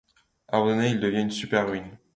Abandonné, il devint une superbe ruine.